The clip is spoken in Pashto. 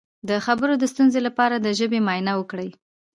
د خبرو د ستونزې لپاره د ژبې معاینه وکړئ